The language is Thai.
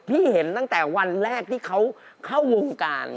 เห็นตั้งแต่วันแรกที่เขาเข้าวงการ